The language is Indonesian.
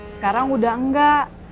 sekarang udah enggak